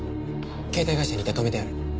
携帯会社に言って止めてある。